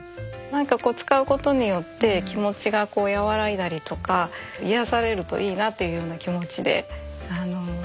なんかこう使うことによって気持ちが和らいだりとか癒やされるといいなっていうような気持ちで作ってますね。